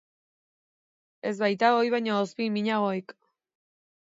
Ez baitago hori baino ozpin minagorik.